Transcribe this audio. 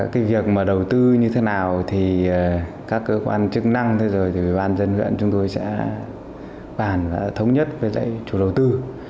cái việc mà đầu tư như thế nào thì các cơ quan chức năng thế rồi thì ủy ban dân huyện chúng tôi sẽ bàn thống nhất với chủ đầu tư